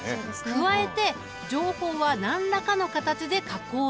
加えて情報は何らかの形で加工されている。